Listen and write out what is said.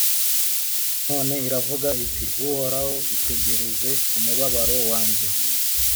none iravuga iti «Uhoraho, itegereze umubabaro wanjye,